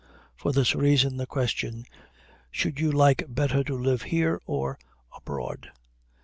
For this reason the question "Should you like better to live here or abroad?"